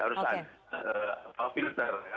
harusan pak pilter ya